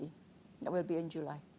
itu akan diadakan pada julai